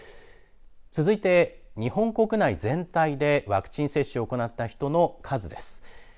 続いて日本国内全体でワクチン接種を行った人の数です。